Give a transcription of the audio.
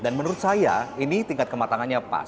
dan menurut saya ini tingkat kematangannya pas